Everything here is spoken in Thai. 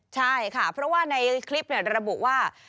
ใช่ค่ะเพราะว่าในคลิประบุว่า